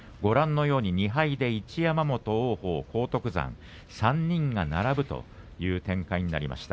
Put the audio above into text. ２敗で一山本、王鵬、荒篤山３人が並ぶ展開になりました。